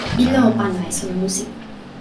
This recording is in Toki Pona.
ilo o pana e sona musi.